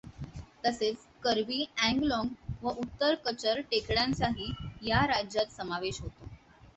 तसेच कर्बी अँगलाँग व उत्तर कचर टेकड्यांचाही या राज्यात समावेश होतो.